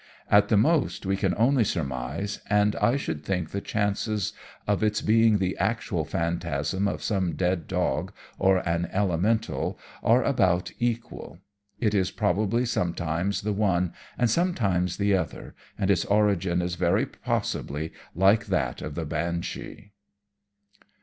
At the most we can only surmise, and I should think the chances of its being the actual phantasm of some dead dog or an elemental are about equal. It is probably sometimes the one and sometimes the other; and its origin is very possibly like that of the Banshee.